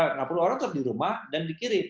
nggak perlu orang tetap di rumah dan dikirim